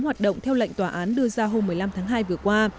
hoạt động theo lệnh tòa án đưa ra hôm một mươi năm tháng hai vừa qua